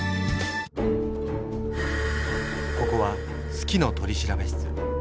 ここは「好きの取調室」。